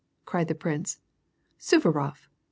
cried the prince. " Suvarof !